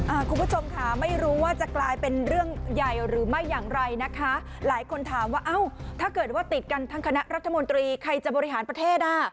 คุณผู้ชมค่ะไม่รู้ว่าจะกลายเป็นเรื่องใหญ่หรือไม่อย่างไรนะคะหลายคนถามว่าเอ้าถ้าเกิดว่าติดกันทั้งคณะรัฐมนตรีใครจะบริหารประเทศอ่ะ